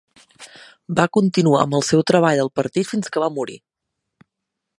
Va continuar amb el seu treball al Partit fins que va morir.